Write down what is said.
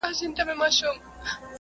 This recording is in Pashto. ټول خلک له آدم څخه پیدا شوي دي.